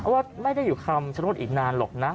ว่าไม่ได้อยู่คำชโนธอีกนานหรอกนะ